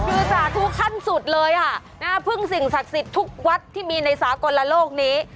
คือสาธุขั้นสุดเลยค่ะพึ่งสิ่งศักดิ์สิทธิ์ทุกวัดที่มีในสากลโลกนี้